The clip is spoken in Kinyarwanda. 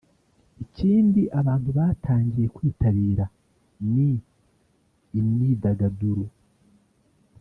ikindi abantu batangiye kwitabira ni ‘Imyidagaduro’